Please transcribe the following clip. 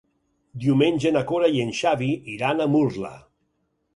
Diumenge na Cora i en Xavi iran a Murla.